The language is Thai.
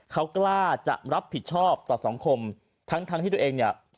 เขากล้าจะรับผิดชอบต่อสังคมทั้งทั้งที่ตัวเองเนี่ย